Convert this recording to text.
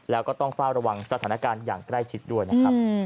แล้วก็ต้องเฝ้าระวังสถานการณ์อย่างใกล้ชิดด้วยนะครับ